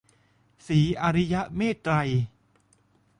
ศรีอริยเมตตรัย